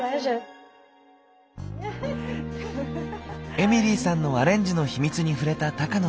エミリーさんのアレンジの秘密に触れた高野さん。